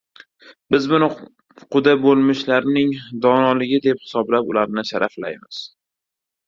Biz buni quda bo‘lmishlarning donoligi deb hisoblab, ularni sharaflaymiz.